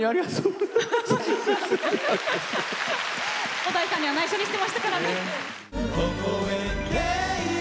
小田井さんにはないしょにしてましたからね。